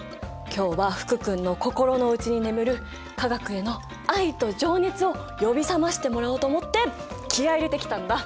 今日は福君の心の内に眠る化学への愛と情熱を呼び覚ましてもらおうと思って気合い入れてきたんだ。